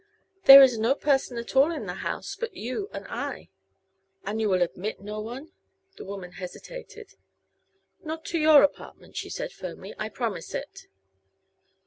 "There is no person at all in the house, but you and I." "And you will admit no one?" The woman hesitated. "Not to your apartment," she said firmly. "I promise it."